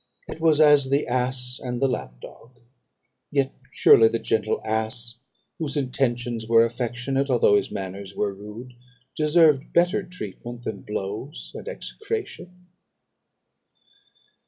It was as the ass and the lap dog; yet surely the gentle ass whose intentions were affectionate, although his manners were rude, deserved better treatment than blows and execration.